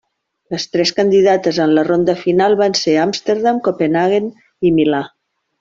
Les tres candidates en la ronda final van ser Amsterdam, Copenhaguen i Milà.